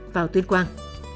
vào tuyên quang